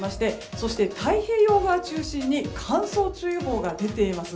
そして、太平洋側中心に乾燥注意報が出ています。